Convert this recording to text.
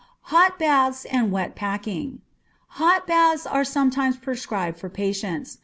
Hot Baths and Wet Packing. Hot baths are sometimes prescribed for patients.